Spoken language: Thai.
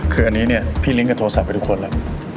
คืออันนี้เนี่ยพี่ลิ้งก็โทรศัพท์ไปทุกคนแล้ว